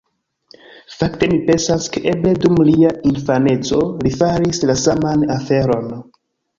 Fakte mi pensas, ke eble dum lia infaneco li faris la saman aferon.